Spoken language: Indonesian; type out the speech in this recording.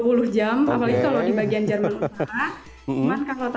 apalagi kalau di bagian jerman utara